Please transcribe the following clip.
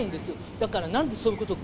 だからなんでそういうこと。